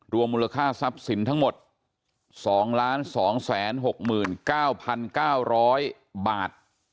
รวมมูลค่าทรัพย์สินทั้งหมดสองล้านสองแสนหกหมื่นเก้าพันเก้าร้อยบาท